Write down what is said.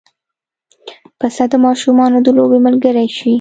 پسه د ماشومانو د لوبې ملګری شي.